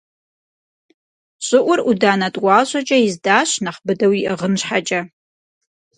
ЩӀыӀур Ӏуданэ тӀуащӀэкӀэ издащ нэхъ быдэу иӀыгъын щхьэкӀэ.